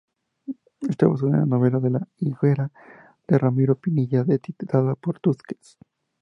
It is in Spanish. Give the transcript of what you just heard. Está basada en la novela "La higuera" de Ramiro Pinilla, editada por Tusquets.